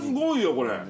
これ。